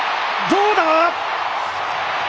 どうだ？